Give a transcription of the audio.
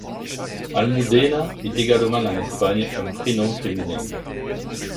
Almudena est également, en Espagne, un prénom féminin.